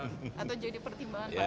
atau jadi pertimbangan pak